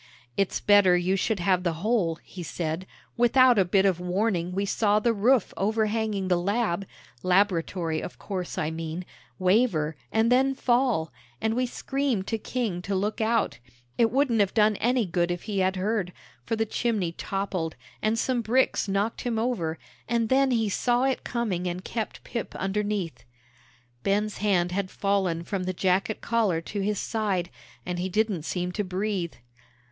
"It's better you should have the whole," he said; "without a bit of warning we saw the roof overhanging the 'Lab' laboratory, of course, I mean waver, and then fall, and we screamed to King to look out; it wouldn't have done any good if he had heard, for the chimney toppled, and some bricks knocked him over, and then he saw it coming and kept Pip underneath." Ben's hand had fallen from the jacket collar to his side, and he didn't seem to breathe.